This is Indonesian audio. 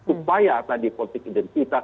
upaya tadi politik identitas